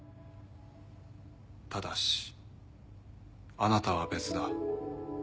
ただしあなたは別だ。